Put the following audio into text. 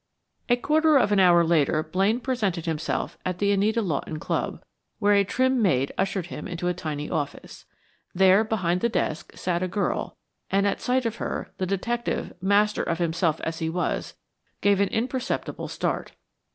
A quarter of an hour later Blaine presented himself at the Anita Lawton Club, where a trim maid ushered him into a tiny office. There, behind the desk, sat a girl, and at sight of her, the detective, master of himself as he was, gave an imperceptible start.